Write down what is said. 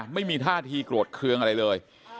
ไม่มีท่าทีโกรธเครื่องอะไรเลย